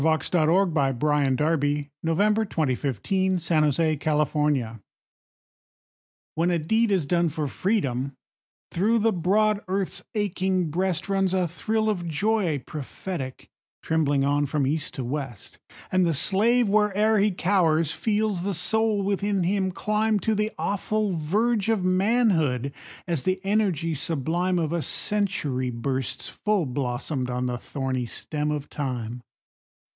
The Harvard Classics. 1909–14. James Russell Lowell 805. The Present Crisis WHEN a deed is done for Freedom, through the broad earth's aching breast Runs a thrill of joy prophetic, trembling on from east to west, And the slave, where'er he cowers, feels the soul within him climb To the awful verge of manhood, as the energy sublime Of a century bursts full blossomed on the thorny stem of Time.